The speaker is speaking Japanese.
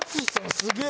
すげえ！